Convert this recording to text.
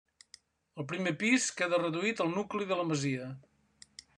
El primer pis queda reduït al nucli de la masia.